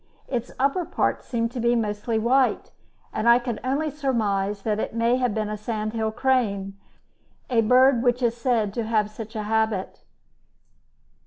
Its upper parts seemed to be mostly white, and I can only surmise that it may have been a sandhill crane, a bird which is said to have such a habit.